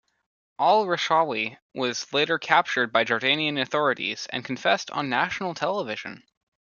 Al-Rishawi was later captured by Jordanian authorities and confessed on national television.